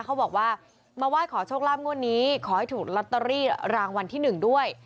เขาบอกว่ามาไหว้ขอโชคลาภงวดนี้ขอให้ถูกลอตเตอรี่รางวัลที่๑ด้วย